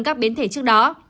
các biến thể trước đó